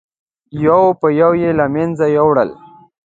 یو په یو یې له منځه یووړل.